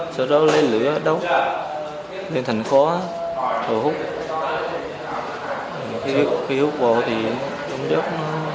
sau đó lên lửa đốt lên thành khóa thở hút